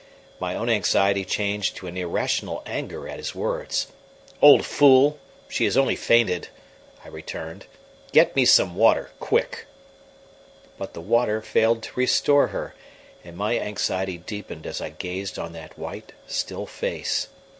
My own anxiety changed to an irrational anger at his words. "Old fool! She has only fainted," I returned. "Get me some water, quick." But the water failed to restore her, and my anxiety deepened as I gazed on that white, still face.